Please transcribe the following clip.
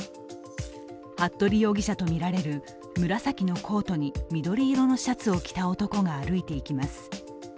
服部容疑者とみられる紫のコートに緑色のシャツを着た男が歩いていきます。